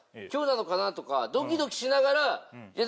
凶なのかなとかドキドキしながら。